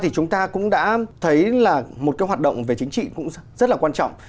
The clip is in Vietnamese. chúng ta cũng đã thấy một hoạt động về chính trị rất quan trọng